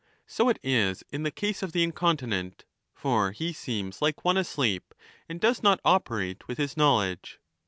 So it is in the case of the incon tinent. For he seems like one asleep and does not operate with his knowledge.